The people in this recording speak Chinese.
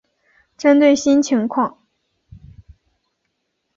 针对新情况